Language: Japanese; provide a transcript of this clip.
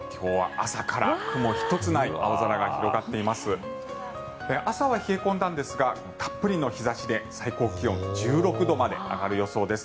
朝は冷え込んだんですがたっぷりの日差しで最高気温１６度まで上がる予想です。